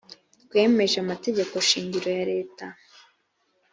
twemeje amategeko shingiro ya leta